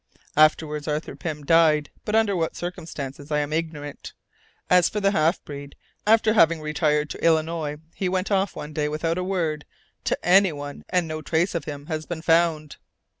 Afterwards Arthur Pym died, but under what circumstances I am ignorant. As for the half breed, after having retired to Illinois, he went off one day without a word to anyone, and no trace of him has been found."